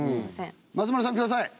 松丸さんください。